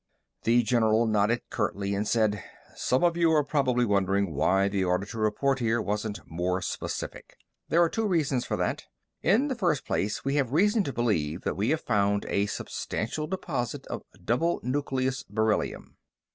The general nodded curtly and said, "Some of you are probably wondering why the order to report here wasn't more specific. There are two reasons for that. In the first place, we have reason to believe that we have found a substantial deposit of double nucleus beryllium."